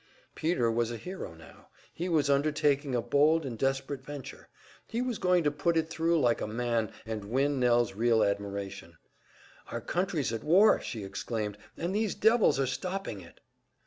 Peter was a hero now, he was undertaking a bold and desperate venture; he was going to put it thru like a man, and win Nell's real admiration. "Our country's at war!" she exclaimed. "And these devils are stopping it!"